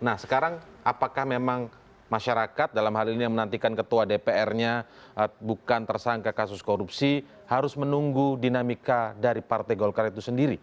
nah sekarang apakah memang masyarakat dalam hal ini yang menantikan ketua dpr nya bukan tersangka kasus korupsi harus menunggu dinamika dari partai golkar itu sendiri